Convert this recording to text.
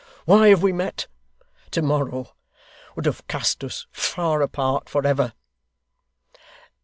Why have we met! To morrow would have cast us far apart for ever!